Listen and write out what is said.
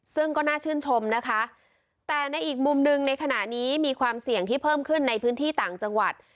ซึ่งก็น่าชื่นชมนะคะแต่ในอีกมุมหนึ่งในขณะนี้มีความเสี่ยงที่เพิ่มขึ้นในพื้นที่ต่างจังหวัด